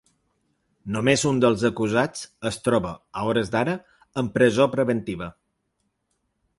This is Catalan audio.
Només un dels acusats es troba, a hores d’ara, en presó preventiva.